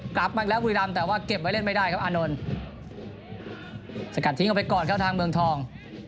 กับแม่งแล้วบุรีดามแต่ว่าเก็บไว้เล่นไม่ได้ครับอาร์นนนสกัดทิ้งไปกรอดครับทางเมืองทอง